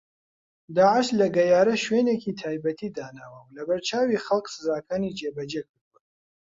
داعش لە گەیارە شوێنێکی تایبەتی داناوە و لەبەرچاوی خەڵک سزاکانی جێبەجێ کردووە